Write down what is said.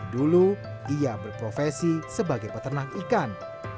dulu ia berprofesi sebagai peternak ikan